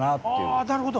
ああなるほど。